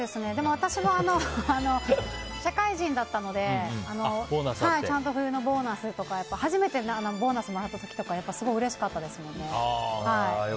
私は、社会人だったのでちゃんと冬のボーナスとか初めてボーナスをもらった時とかはすごいうれしかったです。